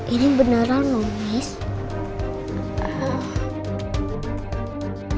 ini beneran no miss